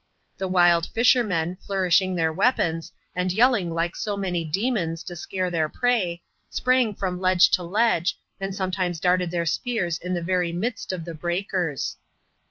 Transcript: The wild fishermen, flourishing their weapons, and yelling like so many demons to scare their prey, sprang from ledge to ledge, and sometimes darted their spears in the very midst of the breakers.